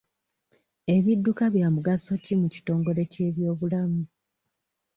Ebidduka bya mugaso ki mu kitongole ky'ebyobulamu?